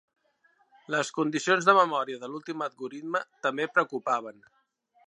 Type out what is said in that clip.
Les condicions de memòria de l'últim algoritme també preocupaven.